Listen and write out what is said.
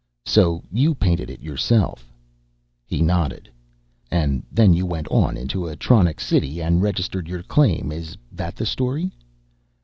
"So you painted it yourself." He nodded. "And then you went on into Atronics City and registered your claim, is that the story?"